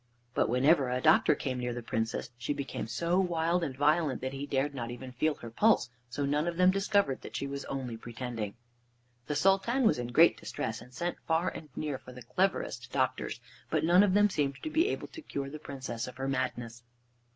But whenever a doctor came near the Princess she became so wild and violent that he dared not even feel her pulse, so none of them discovered that she was only pretending. The Sultan was in great distress, and sent far and near for the cleverest doctors. But none of them seemed to be able to cure the Princess of her madness.